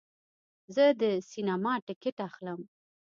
زه د سینما ټکټ اخلم.